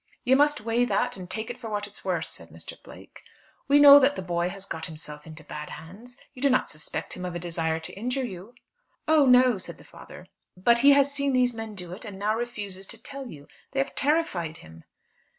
"You must weigh that, and take it for what it's worth," said Mr. Blake. "We know that the boy has got himself into bad hands. You do not suspect him of a desire to injure you?" "Oh, no!" said the father. "But he has seen these men do it, and now refuses to tell you. They have terrified him."